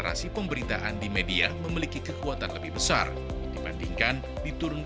kami juga dekertkan cerita pusheidar kepada kamp tian turret